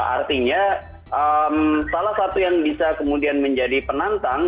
artinya salah satu yang bisa kemudian menjadi penantang